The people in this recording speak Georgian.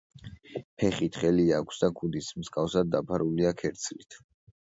ფეხი თხელი აქვს და ქუდის მსგავსად დაფარულია ქერცლით.